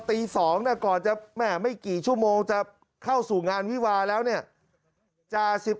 ตี๒น่ะก่อนจะไม่กี่ชั่วโมงจะเข้าสู่งานวิวาแล้วเนี่ยจ่าสิบ